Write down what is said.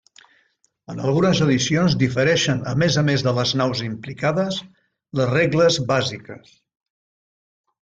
En algunes edicions difereixen a més a més de les naus implicades, les regles bàsiques.